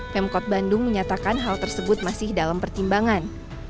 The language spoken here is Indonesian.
pemkot bandung menyatakan hal tersebut masih dalam pertimbangan